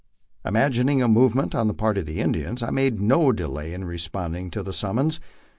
Im agining a movement on the part of the Indians, I made no delay in responding to the summons.